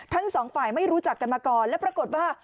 ทั้งสองฝ่ายไม่รู้จักกันมาก่อนและปรากฏว่า